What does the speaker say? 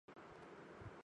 茎为绿色至红色。